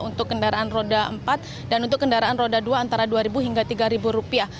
untuk kendaraan roda empat dan untuk kendaraan roda dua antara dua hingga tiga rupiah